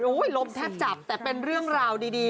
ลมแทบจับแต่เป็นเรื่องราวดี